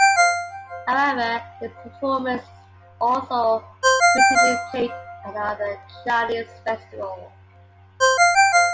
However the performance is also routinely played at other Chinese festivals.